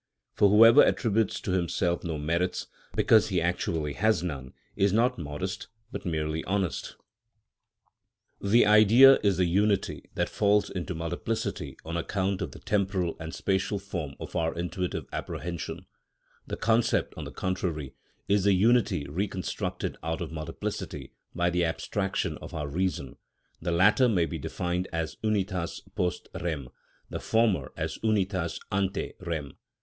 For whoever attributes to himself no merits, because he actually has none, is not modest but merely honest. The Idea is the unity that falls into multiplicity on account of the temporal and spatial form of our intuitive apprehension; the concept, on the contrary, is the unity reconstructed out of multiplicity by the abstraction of our reason; the latter may be defined as unitas post rem, the former as unitas ante rem.